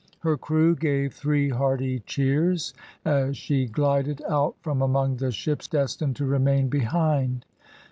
Her crew gave three hearty cheers, as she glided out from among the ships destined to remain behind.